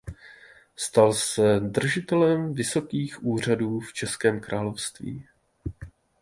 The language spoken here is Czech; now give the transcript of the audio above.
Stal se držitelem vysokých úřadů v Českém království.